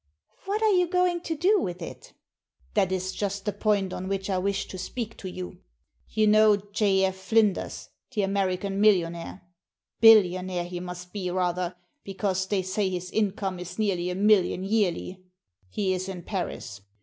"What are you going to do with it ?"" That is just the point on which I wished to speak • to you. You know J. F. Flinders, the American millionaire? Billionaire he must be, rather, because they say his income is nearly a million yearly. He is in Paris.